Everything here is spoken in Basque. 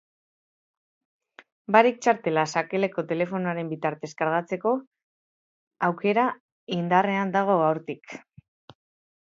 Barik txartela sakelako telefonoaren bitartez kargatzeko aukera indarrean dago gaurtik.